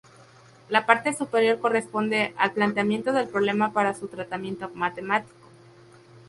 La parte superior corresponde al planteamiento del problema para su tratamiento matemático.